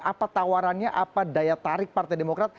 apa tawarannya apa daya tarik partai demokrat